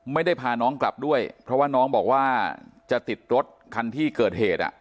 ไม่ได้พาน้องกลับด้วยเพราะว่าน้องบอกว่าจะติดรถคันที่เกิดเหตุ